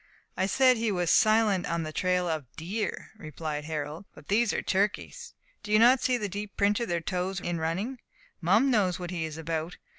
"I said he was silent on the trail of deer," replied Harold, "but these are turkeys. Do you not see the deep print of their toes in running! Mum knows what he is about.